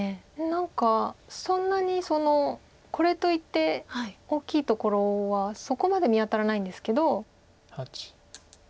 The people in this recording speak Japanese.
何かそんなにこれといって大きいところはそこまで見当たらないんですけど。